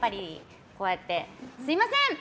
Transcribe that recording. すいません！